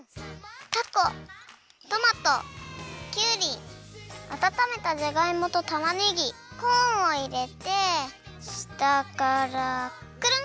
たこトマトきゅうりあたためたじゃがいもとたまねぎコーンをいれてしたからクルン。